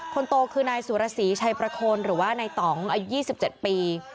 คนโตคือนายสุรสีชัยประโคนหรือว่านายต่องอายุ๒๗ปี